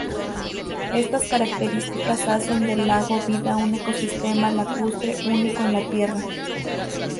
Estas características hacen del lago Vida un ecosistema lacustre único en la Tierra.